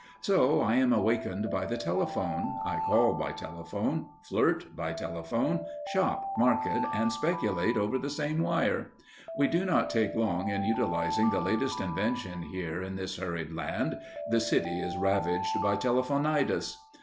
So I am awakened by the telephone, I call by telephone, flirt by telephone, shop, market and speculate over the same wire. We do not take long in utilizing the latest invention here in this hurried land the city is ravaged by Telephonitis.